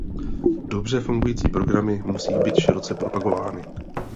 Dobře fungující programy musí být široce propagovány.